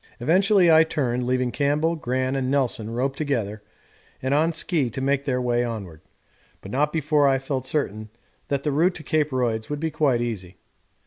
Eventually I turned, leaving Campbell, Gran, and Nelson roped together and on ski to make their way onward, but not before I felt certain that the route to Cape Royds would be quite easy.